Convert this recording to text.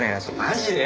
マジで？